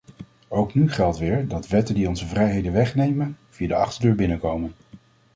Ook nu geldt weer dat wetten die onze vrijheden wegnemen, via de achterdeur binnenkomen.